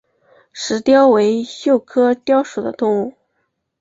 石貂为鼬科貂属的动物。